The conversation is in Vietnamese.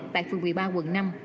tại phường một mươi ba quận năm